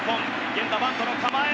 源田バントの構え。